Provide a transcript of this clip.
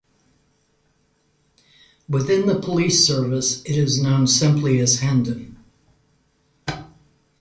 Within the police service it is known simply as "Hendon".